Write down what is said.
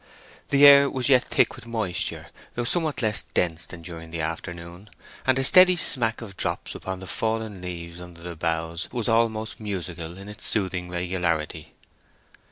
The air was yet thick with moisture, though somewhat less dense than during the afternoon, and a steady smack of drops upon the fallen leaves under the boughs was almost musical in its soothing regularity.